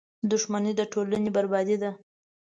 • دښمني د ټولنې بربادي ده.